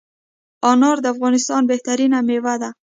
انار دافغانستان بهترینه میوه ده